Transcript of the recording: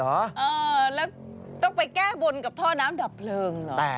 เออแล้วต้องไปแก้บนกับท่อน้ำดับเพลิงเหรอ